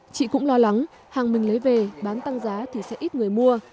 chị cũng lo lắng hàng mình lấy về bán tăng giá thì sẽ ít người mua